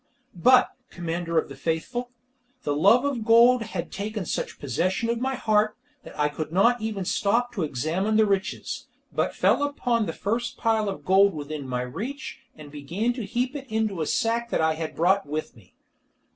But, Commander of the Faithful, the love of gold had taken such possession of my heart, that I could not even stop to examine the riches, but fell upon the first pile of gold within my reach and began to heap it into a sack that I had brought with me.